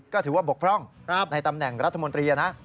ก็ถือว่าบกพร่องราบในตำแหน่งรัฐมนตรีนะ